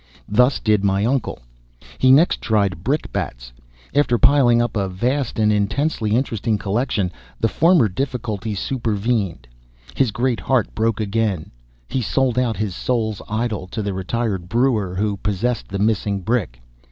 Thus did my uncle. He next tried brickbats. After piling up a vast and intensely interesting collection, the former difficulty supervened; his great heart broke again; he sold out his soul's idol to the retired brewer who possessed the missing brick.